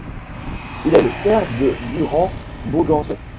Il est le père de Burhan Doğançay.